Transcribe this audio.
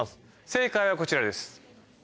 正解はこちらです。